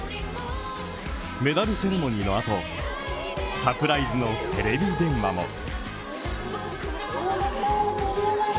メダルセレモニーのあと、サプライズのテレビ電話も。